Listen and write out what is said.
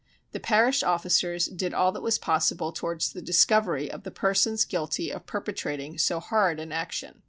The parish officers did all that was possible towards the discovery of the persons guilty of perpetrating so horrid an action.